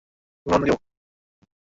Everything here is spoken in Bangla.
তুমি অন্য কেউ।